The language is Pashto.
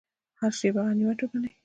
هره شیبه غنیمت وګڼئ